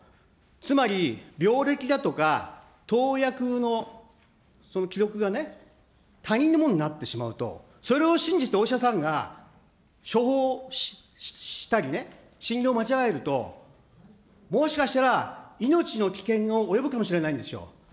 つまり、病歴だとか、投薬のその記録がね、他人のものになってしまうと、それを信じてお医者さんが、処方したりね、診療を間違えると、もしかしたら、命の危険が及ぶかもしれないんですよ。